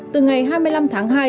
từ ngày hai mươi năm tháng hai